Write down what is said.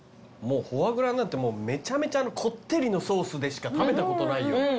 フォアグラなんてめちゃめちゃこってりのソースでしか食べたことないよ。